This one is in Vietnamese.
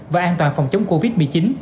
và an toàn phòng chống covid một mươi chín